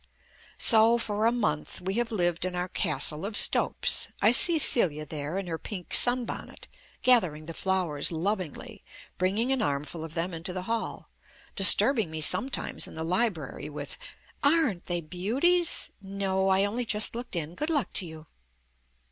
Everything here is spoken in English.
So for a month we have lived in our Castle of Stopes. I see Celia there in her pink sun bonnet, gathering the flowers lovingly, bringing an armful of them into the hall, disturbing me sometimes in the library with "Aren't they beauties? No, I only just looked in good luck to you."